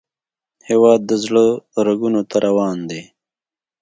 هیواد د زړه رګونو ته روان دی